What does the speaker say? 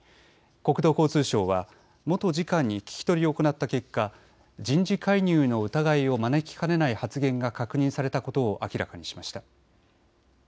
国土交通省は元次官に聞き取りを行った結果、人事介入の疑いを招きかねない発言が確認されたことを明らかにしました。